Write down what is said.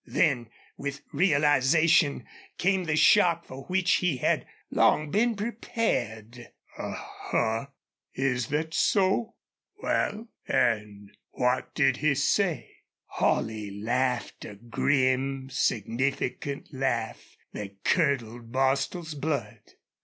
Then, with realization, came the shock for which he had long been prepared. "A huh! Is thet so? ... Wal, an' what did he say?" Holley laughed a grim, significant laugh that curdled Bostil's blood.